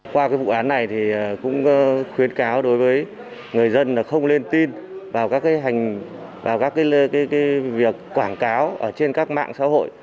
qua cái vụ án này thì cũng khuyến cáo đối với người dân là không lên tin vào các cái việc quảng cáo trên các mạng xã hội